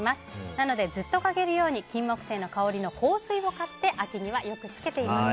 なので、ずっとかげるようにキンモクセイの香りの香水を買って秋にはよくつけています。